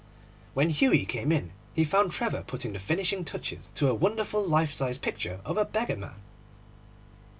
When Hughie came in he found Trevor putting the finishing touches to a wonderful life size picture of a beggar man.